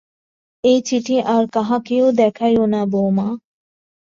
এ চিঠি আর কাহাকেও দেখাইও না বউ মা।